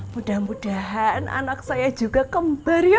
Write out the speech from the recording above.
mudah mudahan anak saya juga kembar ya